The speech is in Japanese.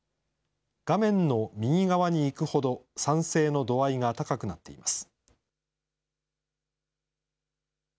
画面の右側にいくほど賛成の度合いが高くなっています。